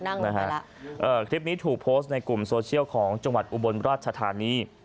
คลิปนี้ถูกโพสต์ในกลุ่มโซเชียลของจังหวัดอุบลราชธานี